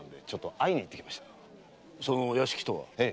その屋敷とは？